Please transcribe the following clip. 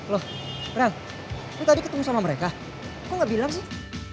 loh merel lo tadi ketemu sama mereka kok gak bilang sih